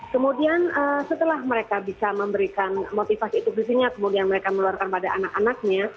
kemudian setelah mereka bisa memberikan motivasi itu di sini kemudian mereka meluarkan pada anak anaknya